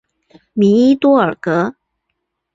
米伊多尔格。